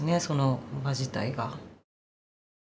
その場自体が。